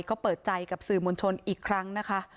ก็เปิดใจกับสื่อมวลชนอีกครั้งนะคะ